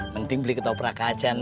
mending beli ke daprak aja neng